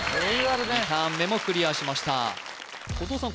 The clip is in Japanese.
２ターン目もクリアしました後藤さん